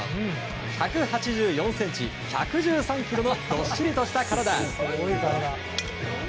１８４ｃｍ、１１３ｋｇのどっしりした体。